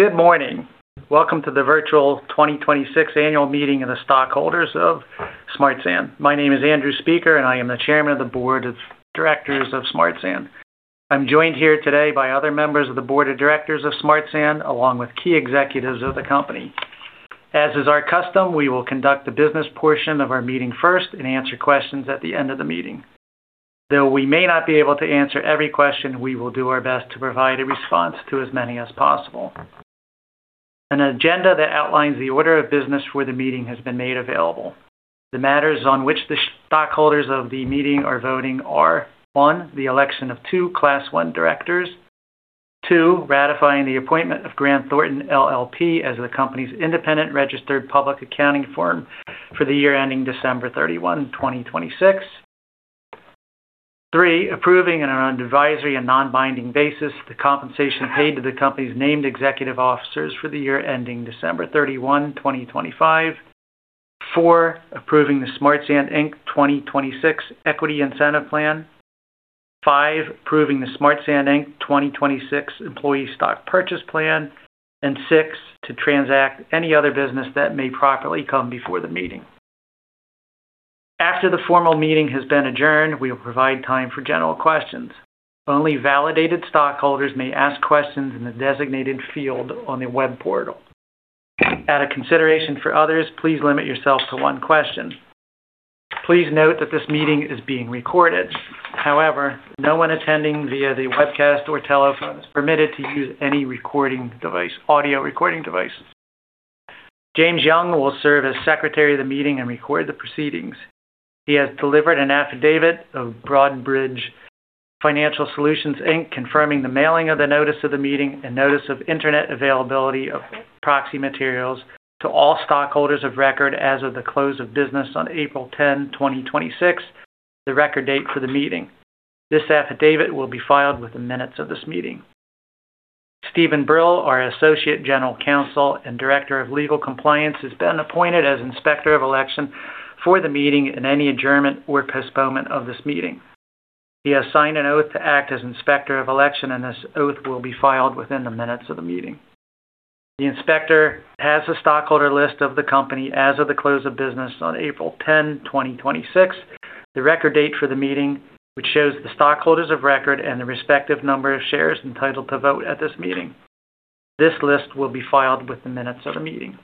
Good morning. Welcome to the virtual 2026 Annual Meeting of the stockholders of Smart Sand. My name is Andrew Speaker, I am the Chairman of the Board of Directors of Smart Sand. I'm joined here today by other members of the board of directors of Smart Sand, along with key executives of the company. As is our custom, we will conduct the business portion of our meeting first and answer questions at the end of the meeting. Though we may not be able to answer every question, we will do our best to provide a response to as many as possible. An agenda that outlines the order of business for the meeting has been made available. The matters on which the stockholders of the meeting are voting are. One, the election of 2 Class I directors. Two, ratifying the appointment of Grant Thornton LLP as the company's independent registered public accounting firm for the year ending December 31, 2026. Three, approving, on an advisory and non-binding basis, the compensation paid to the company's named executive officers for the year ending December 31, 2025. Four, approving the Smart Sand, Inc. 2026 Equity Incentive Plan. Five, approving the Smart Sand Inc. 2026 Employee Stock Purchase Plan. Six, to transact any other business that may properly come before the meeting. After the formal meeting has been adjourned, we will provide time for general questions. Only validated stockholders may ask questions in the designated field on the web portal. Out of consideration for others, please limit yourself to one question. Please note that this meeting is being recorded. However, no one attending via the webcast or telephone is permitted to use any recording device, audio recording device. James Young will serve as secretary of the meeting and record the proceedings. He has delivered an affidavit of Broadridge Financial Solutions Inc., confirming the mailing of the notice of the meeting and notice of internet availability of proxy materials to all stockholders of record as of the close of business on April 10, 2026, the record date for the meeting. This affidavit will be filed with the minutes of this meeting. Stephen Brill, our associate general counsel and director of legal compliance, has been appointed as Inspector of Election for the meeting and any adjournment or postponement of this meeting. He has signed an oath to act as Inspector of Election, and this oath will be filed within the minutes of the meeting. The inspector has a stockholder list of the company as of the close of business on April 10, 2026, the record date for the meeting, which shows the stockholders of record and the respective number of shares entitled to vote at this meeting. This list will be filed with the minutes of the meeting.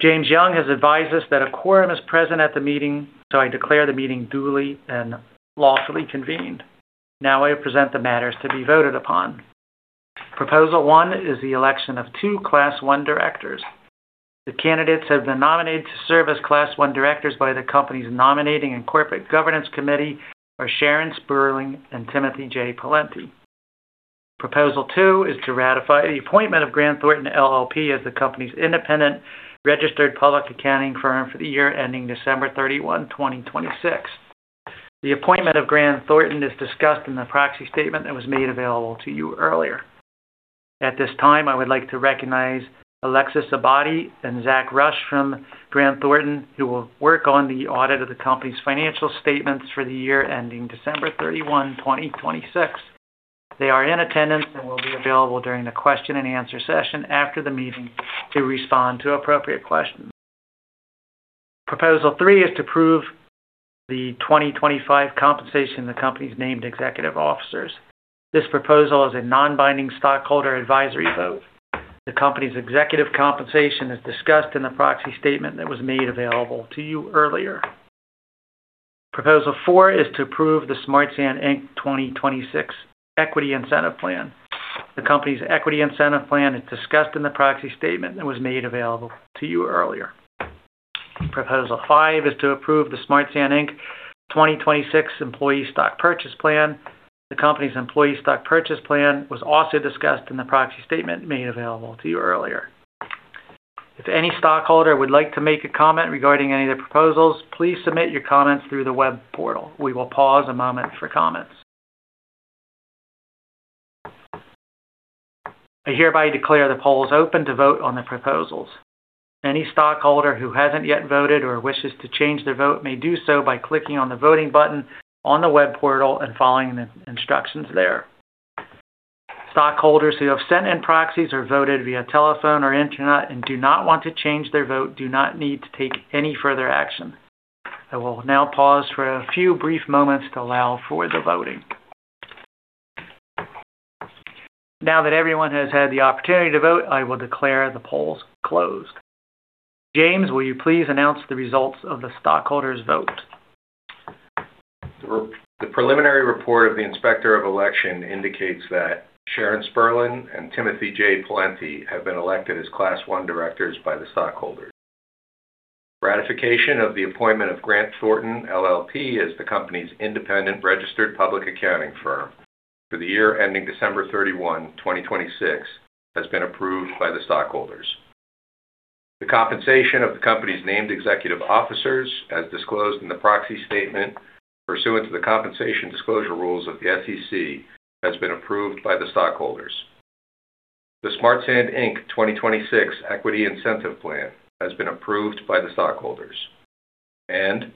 James Young has advised us that a quorum is present at the meeting, I declare the meeting duly and lawfully convened. Now I present the matters to be voted upon. Proposal one is the election of two Class I directors. The candidates have been nominated to serve as Class I directors by the company's Nominating and Corporate Governance Committee are Sharon Spurlin and Timothy J. Pawlenty. Proposal two is to ratify the appointment of Grant Thornton LLP as the company's independent registered public accounting firm for the year ending December 31, 2026. The appointment of Grant Thornton is discussed in the proxy statement that was made available to you earlier. At this time, I would like to recognize Alexis Abadi and Zach Rush from Grant Thornton, who will work on the audit of the company's financial statements for the year ending December 31, 2026. They are in attendance and will be available during the question and answer session after the meeting to respond to appropriate questions. Proposal three is to approve the 2025 compensation of the company's named executive officers. This proposal is a non-binding stockholder advisory vote. The company's executive compensation is discussed in the proxy statement that was made available to you earlier. Proposal four is to approve the Smart Sand Inc. 2026 Equity Incentive Plan. The company's equity incentive plan is discussed in the proxy statement that was made available to you earlier. Proposal five is to approve the Smart Sand, Inc. 2026 Employee Stock Purchase Plan. The company's employee stock purchase plan was also discussed in the proxy statement made available to you earlier. If any stockholder would like to make a comment regarding any of the proposals, please submit your comments through the web portal. We will pause a moment for comments. I hereby declare the polls open to vote on the proposals. Any stockholder who hasn't yet voted or wishes to change their vote may do so by clicking on the voting button on the web portal and following the instructions there. Stockholders who have sent in proxies or voted via telephone or internet and do not want to change their vote do not need to take any further action. I will now pause for a few brief moments to allow for the voting. Now that everyone has had the opportunity to vote, I will declare the polls closed. James, will you please announce the results of the stockholders' vote? The preliminary report of the Inspector of Election indicates that Sharon Spurlin and Timothy J. Pawlenty have been elected as Class I directors by the stockholders. Ratification of the appointment of Grant Thornton LLP as the company's independent registered public accounting firm for the year ending December 31, 2026, has been approved by the stockholders. The compensation of the company's named executive officers, as disclosed in the proxy statement pursuant to the compensation disclosure rules of the SEC, has been approved by the stockholders. The Smart Sand, Inc. 2026 Equity Incentive Plan has been approved by the stockholders. The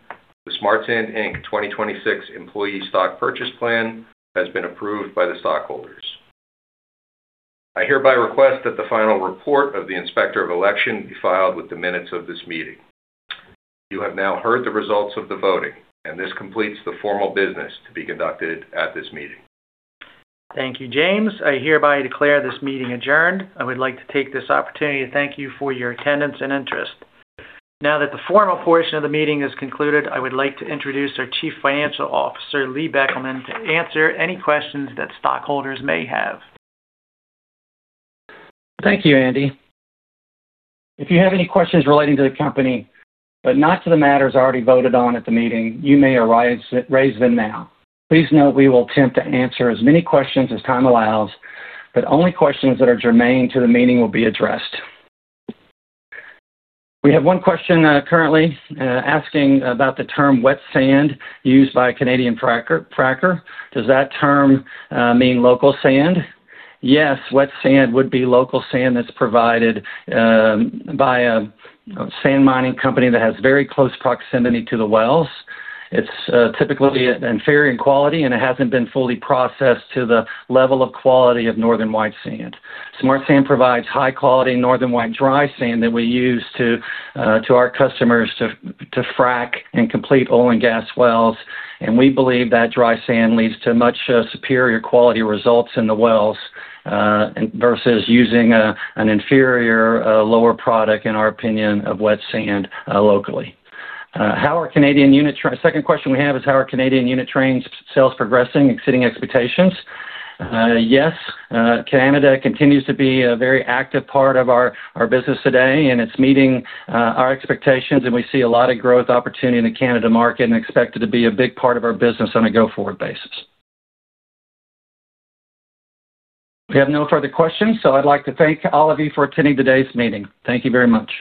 Smart Sand, Inc. 2026 Employee Stock Purchase Plan has been approved by the stockholders. I hereby request that the final report of the Inspector of Election be filed with the minutes of this meeting. You have now heard the results of the voting, and this completes the formal business to be conducted at this meeting. Thank you, James. I hereby declare this meeting adjourned. I would like to take this opportunity to thank you for your attendance and interest. Now that the formal portion of the meeting is concluded, I would like to introduce our Chief Financial Officer, Lee Beckelman, to answer any questions that stockholders may have. Thank you, Andy. If you have any questions relating to the company, but not to the matters already voted on at the meeting, you may raise them now. Please note we will attempt to answer as many questions as time allows, but only questions that are germane to the meeting will be addressed. We have one question currently asking about the term wet sand used by a Canadian fracker. Does that term mean local sand? Yes, wet sand would be local sand that's provided by a sand mining company that has very close proximity to the wells. It's typically inferior in quality, and it hasn't been fully processed to the level of quality of Northern White sand. Smart Sand provides high-quality Northern White dry sand that we use to our customers to frack and complete oil and gas wells. We believe that dry sand leads to much superior quality results in the wells versus using an inferior, lower product, in our opinion, of wet sand locally. Second question we have is, how are Canadian unit train sales progressing, exceeding expectations? Yes, Canada continues to be a very active part of our business today. It's meeting our expectations. We see a lot of growth opportunity in the Canada market and expect it to be a big part of our business on a go-forward basis. We have no further questions. I'd like to thank all of you for attending today's meeting. Thank you very much.